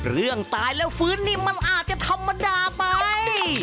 เรื่องตายแล้วฟื้นนี่มันอาจจะธรรมดาไป